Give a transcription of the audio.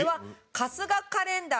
春日カレンダー？